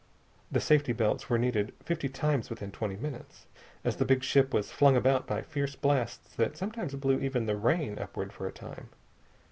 The safety belts were needed fifty times within twenty minutes, as the big ship was flung about by fierce blasts that sometimes blew even the rain upward for a time.